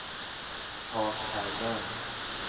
چاک کردن